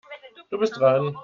Du bist dran.